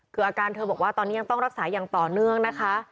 คืออาการเธอบอกว่าตอนนี้ยังต้องรักษาอย่างต่อเนื่องนะคะ